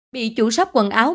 bị chủ sóc quần áo